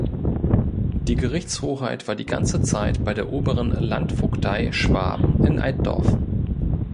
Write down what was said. Die Gerichtshoheit war die ganze Zeit bei der Oberen Landvogtei Schwaben in Altdorf.